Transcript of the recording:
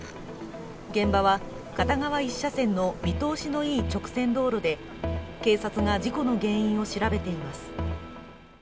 現場は片側１車線の見通しのいい直線道路で警察が、事故の原因を調べています。